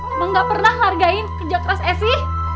emang gak pernah hargain kerja keras evi